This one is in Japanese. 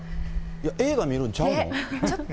映画見るんちゃうの。